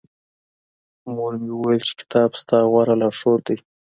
مور مي وويل چي کتاب ستا غوره لارښود دی.